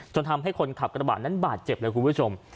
ทำให้คนขับกระบะนั้นบาดเจ็บเลยคุณผู้ชม